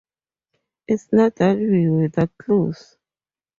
It's not that we were that close.